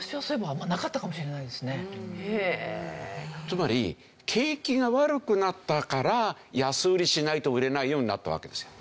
つまり景気が悪くなったから安売りしないと売れないようになったわけですよ。